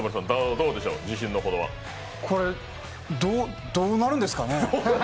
これ、どうなるんですかね？